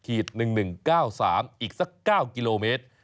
อีกสัก๙กม